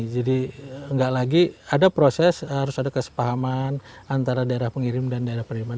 jadi enggak lagi ada proses harus ada kesepahaman antara daerah pengirim dan daerah pengiriman